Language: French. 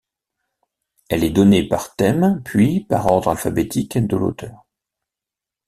Elle est donnée par thème puis par ordre alphabétique de l'auteur.